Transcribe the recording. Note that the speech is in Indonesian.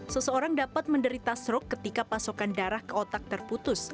seseorang dapat menderita stroke ketika pasokan darah ke otak terputus